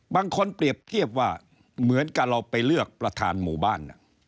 เปรียบเทียบว่าเหมือนกับเราไปเลือกประธานหมู่บ้าน